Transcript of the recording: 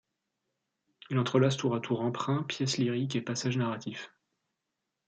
Il entrelace tour à tour emprunts, pièces lyriques et passages narratifs.